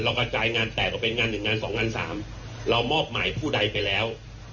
กระจายงานแตกออกเป็นงานหนึ่งงานสองงานสามเรามอบหมายผู้ใดไปแล้ว